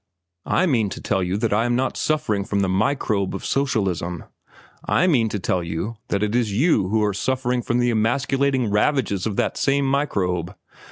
I mean to tell you that I am not suffering from the microbe of socialism. I mean to tell you that it is you who are suffering from the emasculating ravages of that same microbe.